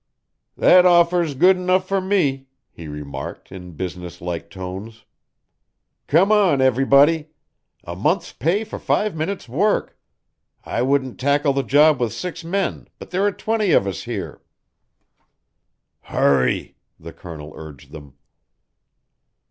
"That offer's good enough for me," he remarked in businesslike tones. "Come on everybody. A month's pay for five minutes' work. I wouldn't tackle the job with six men, but there are twenty of us here." "Hurry," the Colonel urged them.